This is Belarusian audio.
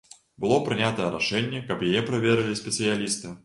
Было прынятае рашэнне, каб яе праверылі спецыялісты.